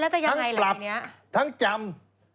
ทั้งปรับทั้งจำ